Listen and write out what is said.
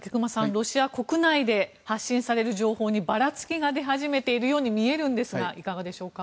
ロシア国内で発信される情報にばらつきが出始めているように見えるんですがいかがでしょうか。